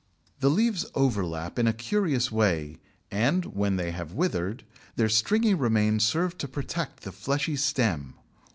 The leaves overlap in a curious way, and, when they have withered, their stringy remains serve to protect the fleshy stem.